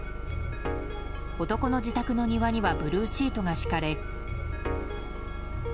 男の自宅の庭にはブルーシートが敷かれ。